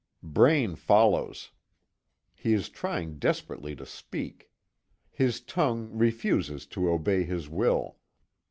Braine follows. He is trying desperately to speak. His tongue refuses to obey his will.